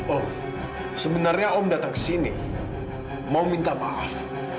om sebenarnya om datang ke sini mau minta maaf